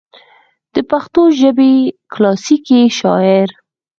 دَپښتو ژبې کلاسيکي شاعر